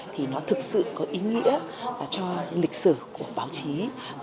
thì nó thực sự có ý nghĩa cho lịch sử quốc gia